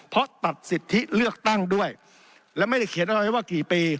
เพราะตัดสิทธิเลือกตั้งด้วยและไม่ได้เขียนเอาไว้ว่ากี่ปี